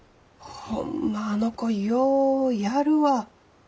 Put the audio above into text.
ホンマあの子ようやるわ。